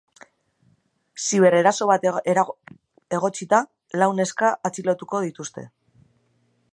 Zibereraso bat egotzita, lau neska atxilotuko dituzte.